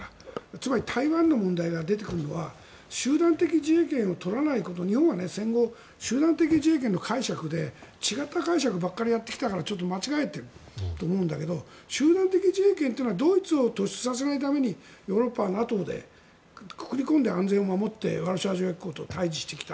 つまり台湾問題が出てくるのは集団的自衛権を取らないこと日本は戦後、集団的自衛権の解釈で違った解釈ばかりやってきたからちょっと間違えていると思うんだけど集団的自衛権はドイツを突出させないためにヨーロッパはＮＡＴＯでくくり込んでワルシャワ条約機構と対処してきた。